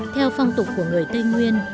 theo phong tục của người tây nguyên